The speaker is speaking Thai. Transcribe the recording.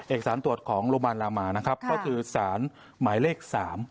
เอกสารตรวจของโรงพยาบาลรามานะครับก็คือสารหมายเลข๓